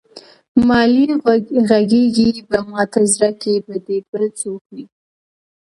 مالې غږېږې به ماته زړه کې به دې بل څوک وي.